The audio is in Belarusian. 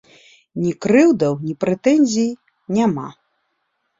Ні крыўдаў, ні прэтэнзій няма.